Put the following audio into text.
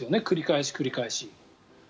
繰り返し、繰り返し。